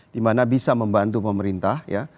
dimana bisa membantu pemerintah ya